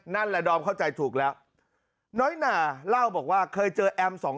นั่นแหละดอมเข้าใจถูกแล้วน้อยหนาเล่าบอกว่าเคยเจอแอมสองคน